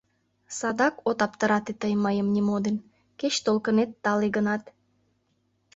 Садак от аптырате тый мыйым нимо ден, кеч толкынет тале гынат.